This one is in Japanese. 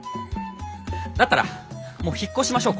だったらもう引っ越しましょう